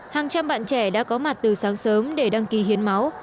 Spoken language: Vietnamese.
hàng trăm bạn trẻ đã có mặt từ sáng sớm để đăng ký hiến máu